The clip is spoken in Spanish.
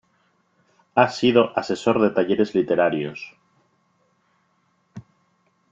Ha sido asesor de talleres literarios.